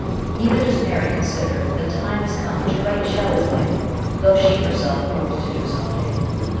Neither does Mary consider that the time has come to write Shelley's life, though she her self hopes to do so some day.